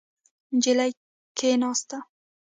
نجلۍ کېناسته.